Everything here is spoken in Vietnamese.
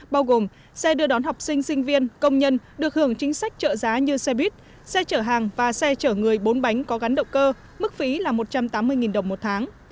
bao gồm xe đưa đón học sinh sinh viên công nhân được hưởng chính sách trợ giá như xe buýt xe chở hàng và xe chở người bốn bánh có gắn động cơ mức phí là một trăm tám mươi đồng một tháng